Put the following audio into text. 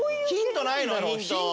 ヒントないの？